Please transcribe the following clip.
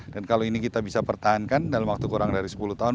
dan kalau ini kita bisa pertahankan dalam waktu kurang dari sepuluh tahun